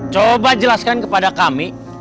coba jelaskan kepada kami